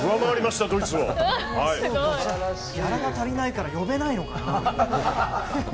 ギャラが足りないから呼べないのかな。